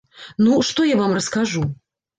Ну, што я вам раскажу?